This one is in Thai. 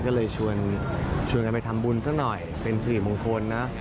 ก็เลยชวนกันไปทำบุญซะหน่อยเป็นสิริมงคลนะ